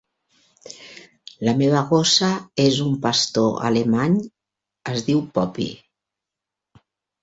La meva gossa és un pastor alemany, es diu "Poppy".